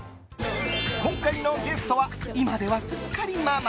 今回のゲストは今ではすっかりママ！